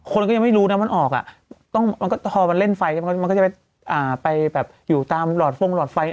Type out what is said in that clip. คนก็ยังไม่รู้นะมันออกอ่ะพอมันเล่นไฟมันก็จะไปแบบอยู่ตามหลอดฟงหลอดไฟ